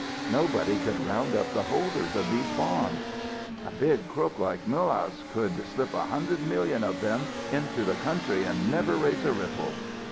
Nobody could round up the holders of these bonds. "A big crook like Mulehaus could slip a hundred million of them into the country and never raise a ripple."